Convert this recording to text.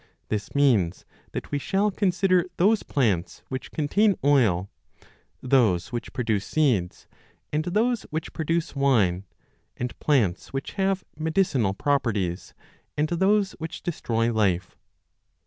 This means that we shall consider those plants which contain oil, those which produce seeds, and those which produce wine, and plants which have medicinal 35 properties, and those which destroy life.